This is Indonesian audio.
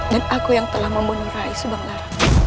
dan aku yang telah membunuh rai subanglar